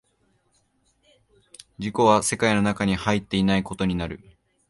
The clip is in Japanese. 自己は世界の中に入っていないことになる。